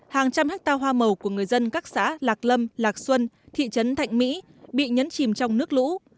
hàng trăm hectare hoa màu của người dân các xã lạc lâm lạc xuân thị trấn thạnh mỹ bị nhấn chìm trong nước lũ